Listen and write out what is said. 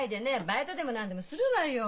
バイトでも何でもするわよ。